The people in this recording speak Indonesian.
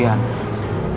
aku gak pernah ngerasain dia